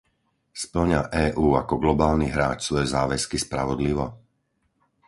Spĺňa EÚ ako globálny hráč svoje záväzky spravodlivo?